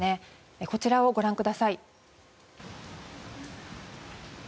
こちらをご覧ください。